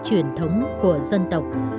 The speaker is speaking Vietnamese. truyền thống của dân tộc